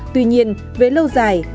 tuy nhiên với lâu dài